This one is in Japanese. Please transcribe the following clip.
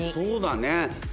そうだね。